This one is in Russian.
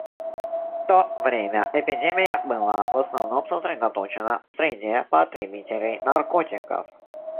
В то время эпидемия была в основном сосредоточена в среде потребителей наркотиков.